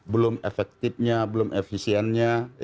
belum efektifnya belum efisiennya